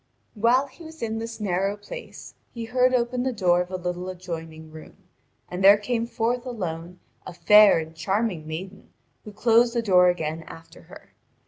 While he was in this narrow place, he heard open the door of a little adjoining room, and there came forth alone a fair and charming maiden who closed the door again after her.